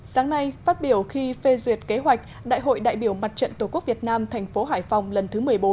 sáng nay phát biểu khi phê duyệt kế hoạch đại hội đại biểu mặt trận tổ quốc việt nam thành phố hải phòng lần thứ một mươi bốn